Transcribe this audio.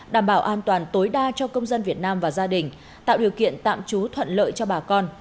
đảm bảo an toàn tối đa cho công dân việt nam và gia đình tạo điều kiện tạm trú thuận lợi cho bà con